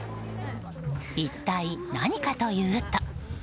一体、何かというと。